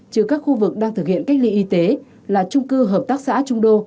chứ các khu vực đang thực hiện cách ly y tế là trung cư hợp tác xã trung đô